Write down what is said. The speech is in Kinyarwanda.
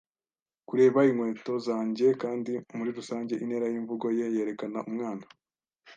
kureba inkweto zanjye, kandi muri rusange, intera yimvugo ye, yerekana umwana